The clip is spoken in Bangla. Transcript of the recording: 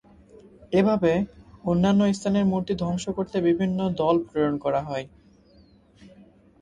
এভাবে অন্যান্য স্থানের মূর্তি ধ্বংস করতে বিভিন্ন দল প্রেরণ করা হয়।